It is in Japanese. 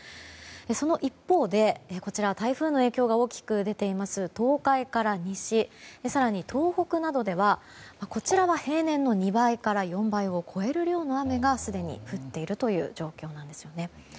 その一方で台風の影響が大きく出ている東海から西更に、東北などではこちらは平年の２倍から４倍を超える量の雨がすでに降っているという状況なんですよね。